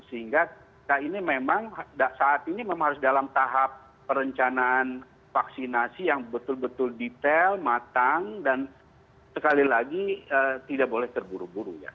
sehingga kita ini memang saat ini memang harus dalam tahap perencanaan vaksinasi yang betul betul detail matang dan sekali lagi tidak boleh terburu buru ya